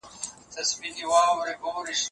زه پرون بازار ته ولاړم!.